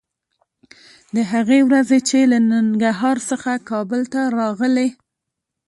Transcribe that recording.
د هغې ورځې چې له ننګرهار څخه کابل ته راغلې